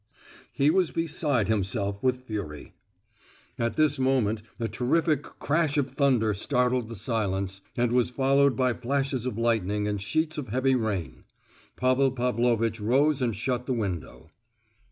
He was beside himself with fury. At this moment, a terrific crash of thunder startled the silence, and was followed by flashes of lightning and sheets of heavy rain. Pavel Pavlovitch rose and shut the window.